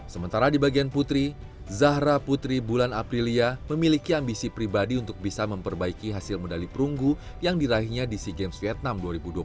sementara di bagian putri zahra putri bulan aprilia memiliki ambisi pribadi untuk bisa memperbaiki hasil medali perunggu yang diraihnya di sea games vietnam dua ribu dua puluh tiga